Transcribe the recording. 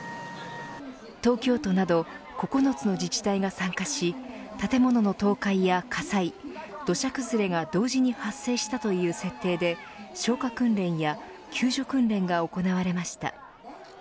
東京都など９つの自治体が参加し建物の倒壊や火災、土砂崩れが同時に発生したという設定で消火訓練や救助訓練が行われました。